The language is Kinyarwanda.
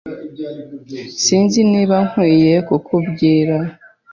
Sinzi niba nkwiye kukubwira.